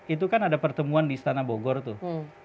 itu kan ada pertemuan di istana bogor tuh